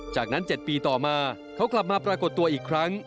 จากนั้น๗ปีต่อมาเขากลับมาปรากฏตัวอีกครั้ง